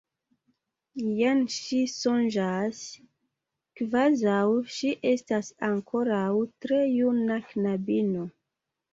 Jen ŝi sonĝas, kvazaŭ ŝi estas ankoraŭ tre juna knabino.